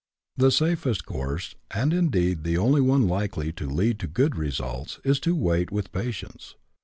The safest course, and indeed the only one likely to lead to good results, is to wait with patience.